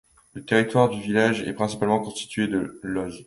Le territoire du village est principalement constitué de lœss.